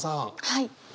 はい。